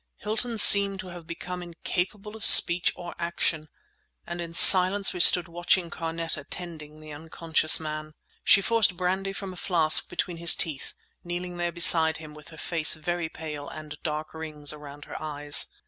Hilton seemed to have become incapable of speech or action; and in silence we stood watching Carneta tending the unconscious man. She forced brandy from a flask between his teeth, kneeling there beside him with her face very pale and dark rings around her eyes.